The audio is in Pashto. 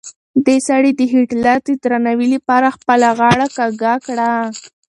دې سړي د هېټلر د درناوي لپاره خپله غاړه کږه کړه.